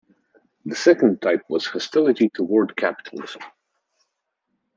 The second type was hostility toward capitalism.